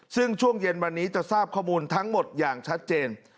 ซึ่งช่วงเย็นวันนี้จะทราบข้อมูลทั้งหมดอย่างชัดเจน